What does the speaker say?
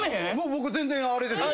僕全然あれですよ。